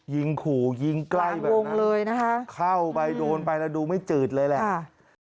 ยิงขู่ยิงใกล้แบบนั้นเลยนะคะเข้าไปโดนไปแล้วดูไม่จืดเลยแหละค่ะ